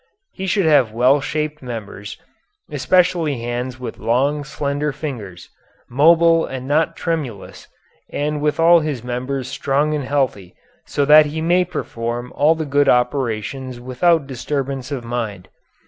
He should have well shaped members, especially hands with long, slender fingers, mobile and not tremulous, and with all his members strong and healthy so that he may perform all the good operations without disturbance of mind.